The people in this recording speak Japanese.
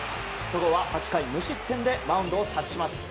戸郷は８回無失点でマウンドをあとにします。